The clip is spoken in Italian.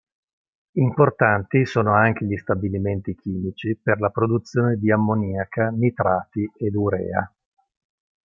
Importanti sono anche gli stabilimenti chimici per la produzione di ammoniaca, nitrati ed urea.